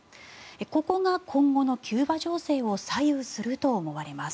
ここが今後のキューバ情勢を左右すると思われます。